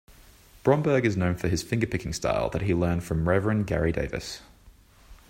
Bromberg is known for his fingerpicking style that he learned from Reverend Gary Davis.